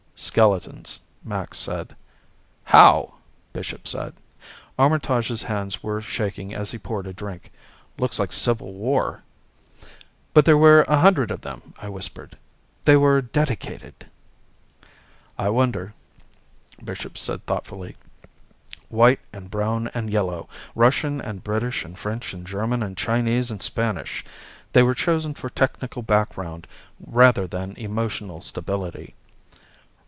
"Skeletons," Max said. "How?" Bishop said. Armitage's hands were shaking as he poured a drink. "Looks like civil war." "But there were a hundred of them," I whispered. "They were dedicated " "I wonder," Bishop said thoughtfully. "White and brown and yellow. Russian and British and French and German and Chinese and Spanish. They were chosen for technical background rather than emotional stability."